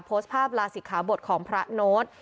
โพสต์ภาพลาศิกขาบทของพระโน้ต